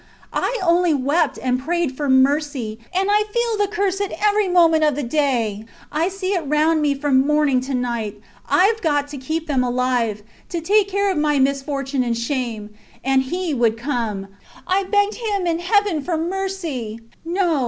... I only wept and prayed for mercy ... and I feel the curse at every moment of the day I see it round me from morning to night ... Ive got to keep them alive to take care of my misfortune and shame. And he would come. I begged him and Heaven for mercy. ... No!